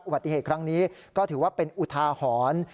อุบัติเหตุครั้งนี้ก็ถือว่าเป็นอุทาหรณ์